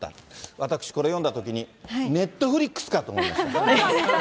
私、これ、読んだときに、ネットフリックスかと思いました。